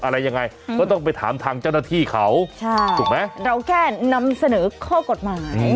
อะไรยังไงก็ต้องไปถามทางเจ้าหน้าที่เขาใช่ถูกไหมเราแค่นำเสนอข้อกฎหมาย